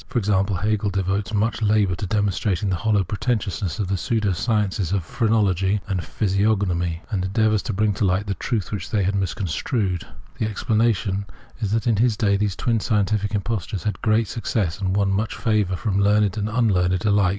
For example, Hegel devotes much labour to demonstrating the hollow pretentiousness of the pseudo sciences of " Phrenology " and " Physiognomy,"! and endeavours to bring to light the truth which they had misconstrued, f The explanation is that in his day these twin scientific impostures had great success, and won much favour from learned and un learned alike.